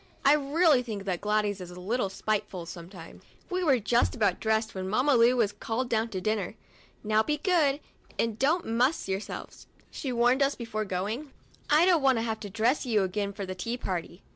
I really think that Gladys is a little spiteful sometimes. We were just about dressed when Mamma Lu was called down to dinner. " Now be good and don't muss yourselves," she warned us before going; "I don't want to have to dress you again for the tea party."